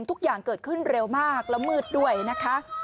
ทุกอย่างเกิดขึ้นเร็วมากและมืดด้วยนะคะ